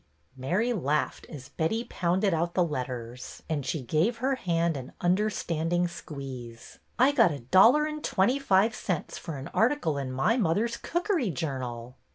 Mary laughed as Betty pounded out the letters, and she gave her hand an understanding squeeze. I got a dollar and twenty five cents for an article in My Mother's Cookery Journal."